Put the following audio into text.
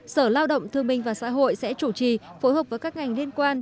sở lao động thương minh và xã hội sẽ chủ trì phối hợp với các ngành liên quan